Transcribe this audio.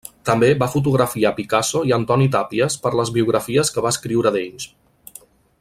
També va fotografiar Picasso i Antoni Tàpies per les biografies que va escriure d'ells.